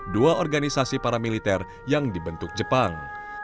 dua organisasi paramiliter yang dibentuk jepang